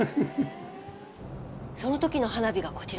その時の花火がこちらです。